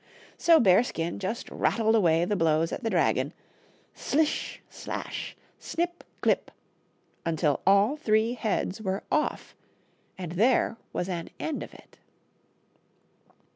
So Bear skin just rattled away the blows at the dragon — slish, slash, snip, clip — until all three heads were off, and there was an end of it.